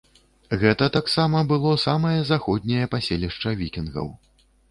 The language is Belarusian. Гэта таксама было самае заходняе паселішча вікінгаў.